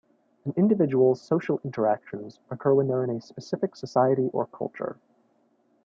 An individual's social interactions occurs when they're in a specific society or culture.